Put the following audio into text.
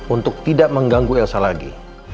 untuk tidak mengganggu elsa lagi